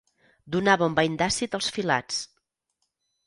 Donava un bany d'àcid als filats.